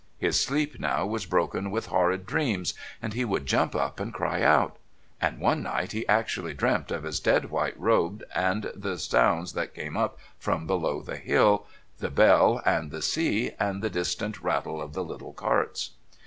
His sleep now was broken with horrid dreams, and he would jump up and cry out; and one night he actually dreamt of his dead white road and the sounds that came up from below the hill, the bell and the sea, and the distant rattle of the little carts.